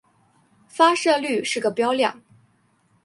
发射率是个标量。